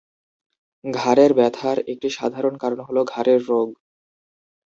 ঘাড়ের ব্যথার একটি সাধারণ কারণ হলো ঘাড়ের রোগ।